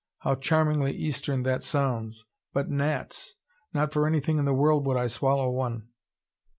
How charmingly Eastern that sounds! But gnats! Not for anything in the world would I swallow one."